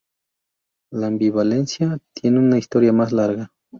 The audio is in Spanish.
La ambivalencia tiene una historia más larga.